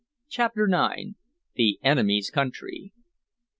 CHAPTER IX. THE ENEMY'S COUNTRY.